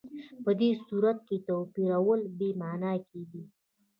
په دې صورت کې توپیرول بې معنا کېږي.